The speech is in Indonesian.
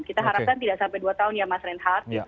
kita harapkan tidak sampai dua tahun ya mas reinhardt